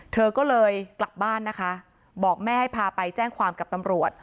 เธอก็เลยกลับบ้านนะคะบอกแม่ให้พาไปแจ้งความกับตำรวจ